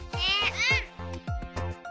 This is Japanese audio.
うん！